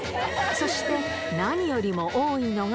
そして、何よりも多いのが。